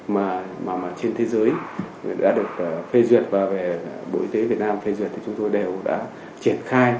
mà trên thế giới đã được phê duyệt và về bộ y tế việt nam phê duyệt thì chúng tôi đều đã triển khai